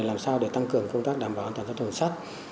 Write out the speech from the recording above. làm sao để tăng cường công tác đảm bảo an toàn giao thông đường sắt